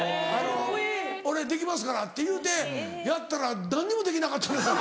俺できますから」って言うてやったら何にもできなかったのよ。